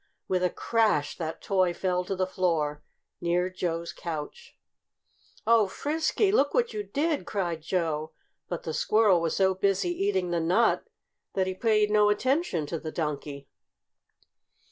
With a crash that toy fell to the floor near Joe's couch! "Oh, Frisky! Look what you did!" cried Joe. But the squirrel was so busy eating the nut that he paid no attention to the Donkey.